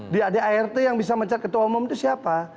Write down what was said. di adart yang bisa mencat ketua umum itu siapa